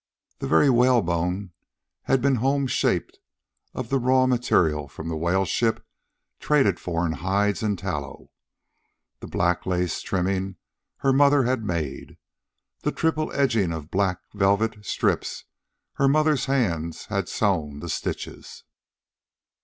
The very whalebone had been home shaped of the raw material from the whaleships traded for in hides and tallow. The black lace trimming her mother had made. The triple edging of black velvet strips her mother's hands had sewn the stitches.